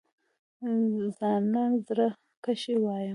ځانله زړۀ کښې وايم